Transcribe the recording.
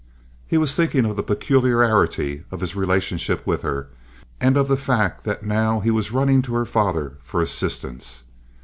He was thinking of the peculiarity of his relationship with her, and of the fact that now he was running to her father for assistance.